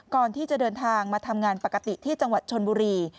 ก่อนที่จะเดินทางมาทำงานปกติที่จังหวัดชนบุรี